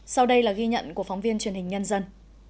sau đây là ghi nhận của phóng viên truyền hình nhân dân